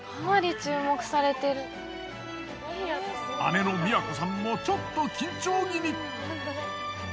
姉の美和子さんもちょっと緊張気味。